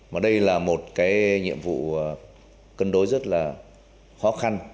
mà đây là một cái nhiệm vụ cân đối rất là khó khăn